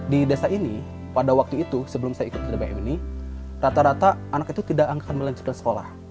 di desa ini pada waktu itu sebelum saya ikut tbm ini rata rata anak itu tidak akan melanjutkan sekolah